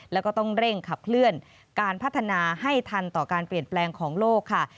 แล้วก็ต้องเร่งขับเคลื่อนการพัฒนาให้ทันต่อการเปลี่ยนแปลงของโลกค่ะ